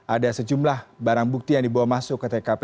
ada sejumlah barang bukti yang dibawa masuk ke tkp